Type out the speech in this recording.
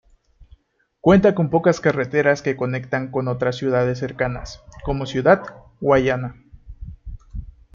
Cuenta con pocas carreteras que conectan con otras ciudades cercanas, como Ciudad Guayana.